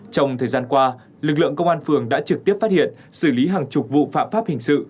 trong thời gian qua lực lượng công an phường đã trực tiếp phát hiện xử lý hàng chục vụ phạm pháp hình sự